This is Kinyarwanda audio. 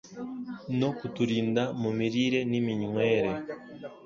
no kutirinda mu mirire n’iminywere.